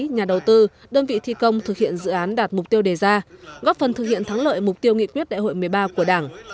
nhà đầu tư đơn vị thi công thực hiện dự án đạt mục tiêu đề ra góp phần thực hiện thắng lợi mục tiêu nghị quyết đại hội một mươi ba của đảng